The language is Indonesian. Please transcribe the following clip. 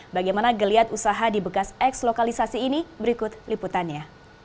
bagaimana geliat usaha di bekas eks lokalisasi ini berikut liputannya